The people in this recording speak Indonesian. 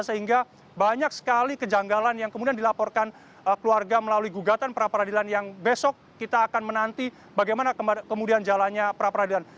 sehingga banyak sekali kejanggalan yang kemudian dilaporkan keluarga melalui gugatan pra peradilan yang besok kita akan menanti bagaimana kemudian jalannya pra peradilan